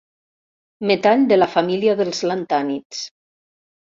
Metall de la família dels lantànids.